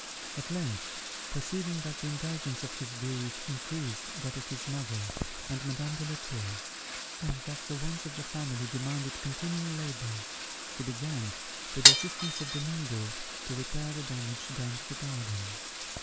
At length, perceiving that the indulgence of his grief increased that of his mother and Madame de la Tour, and that the wants of the family demanded continual labour, he began, with the assistance of Domingo, to repair the damage done to the garden.